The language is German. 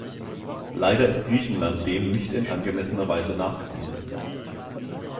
Leider ist Griechenland dem nicht in angemessener Weise nachgekommen.